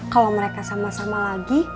kalau mereka sama sama lagi